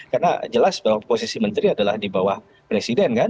karena jelas bahwa posisi menteri adalah di bawah presiden kan